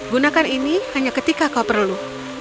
gunakan ini hanya ketika kau perlu